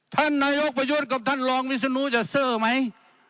ท่านนายกประยุทธ์กับท่านรองวิศนุจะเซอร์ไหม